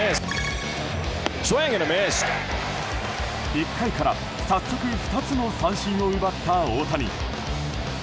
１回から早速２つの三振を奪った大谷。